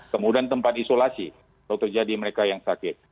kemudian tempat isolasi untuk jadi mereka yang sakit